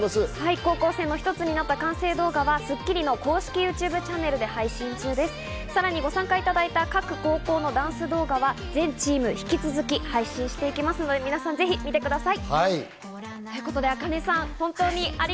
高校生のひとつになった完成動画が『スッキリ』の公式ＹｏｕＴｕｂｅチャンネルでさらにご参加いただいた各高校のダンス動画は全チーム引き続き配信していきますので、ぜひご覧ください。